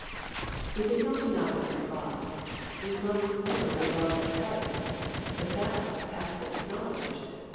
_ It is not enough that we love, we must know the love of Christ, but that love passeth knowledge.